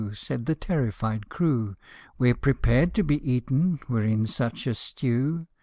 Said the terrified crew; " We 're prepared to be eaten, we 're in such a stew